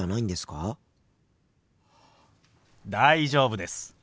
大丈夫です。